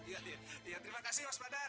iya terima kasih mas badar